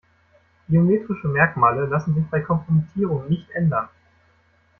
Biometrische Merkmale lassen sich bei Kompromittierung nicht ändern.